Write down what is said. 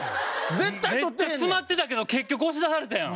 めっちゃ詰まってたけど結局押し出されたやん。